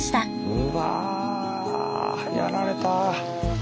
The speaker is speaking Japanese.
うわやられた。